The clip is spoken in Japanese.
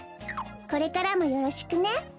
これからもよろしくね。